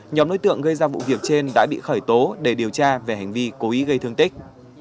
nhóm đối tượng gây ra vụ việc trên đã bị khởi tố để điều tra về hành vi cố ý gây thương tích